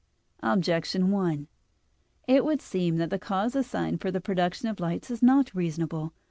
Objection 1: It would seem that the cause assigned for the production of the lights is not reasonable.